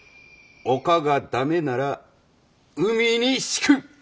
陸が駄目なら海に敷く！